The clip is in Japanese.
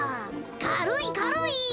かるいかるい。